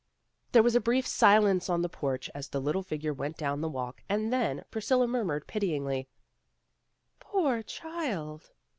'' There was a brief silence on the porch as the little figure went down the walk, and then Priscilla murmured pityingly, "Poor child!"